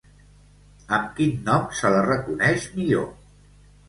Amb quin nom se la reconeix millor?